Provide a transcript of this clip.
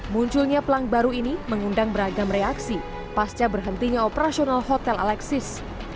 munculnya pelang baru ini mengundang beragam reaksi pasca berhentinya operasional hotel alexis